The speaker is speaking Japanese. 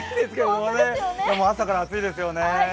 もう朝から暑いですよね。